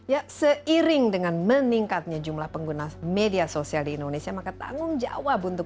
ya seiring dengan meningkatnya jumlah pengguna media sosial di indonesia maka tanggung jawab untuk